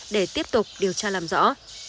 để tiếp tục điều tra làm rõ